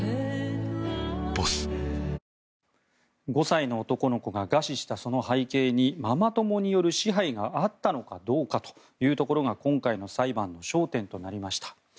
５歳の男の子が餓死したその背景にママ友による支配があったのかどうかというところが今回の裁判の焦点となりました。